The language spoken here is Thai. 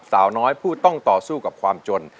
สาวน้อยผู้ต้องต่อสู้กับความจน